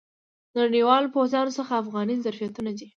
د نړیوالو پوځیانو څخه افغاني ظرفیتونو ته.